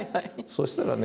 そしたらね